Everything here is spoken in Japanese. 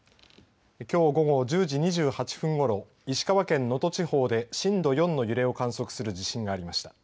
今日午後１０時２８分ごろ石川県能登地方で震度４の揺れを観測する地震がありました。